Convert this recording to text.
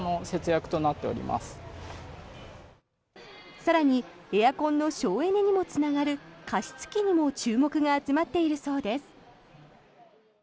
更にエアコンの省エネにもつながる加湿器にも注目が集まっているそうです。